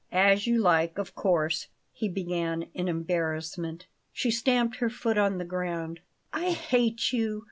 "As you like, of course," he began in embarrassment. She stamped her foot on the ground. "I hate you!"